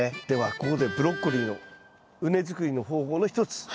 ではここでブロッコリーの畝作りの方法の一つ。